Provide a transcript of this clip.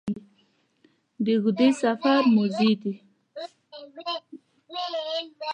د اوږده سفر موزې دي